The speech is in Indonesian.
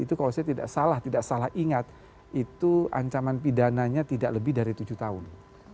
itu kalau saya tidak salah tidak salah ingat itu ancaman pidananya tidak lebih dari tujuh tahun